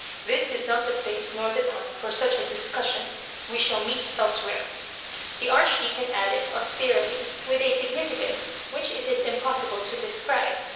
" This is not the place nor the time for such a dis cussion. We shall meet elsewhere," the Aroh deacon added, austerely, with a significance which it is impossible to describe.